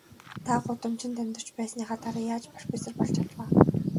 Та гудамжинд амьдарч байсныхаа дараа яаж профессор болж чадав аа?